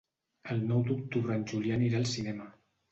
El nou d'octubre en Julià anirà al cinema.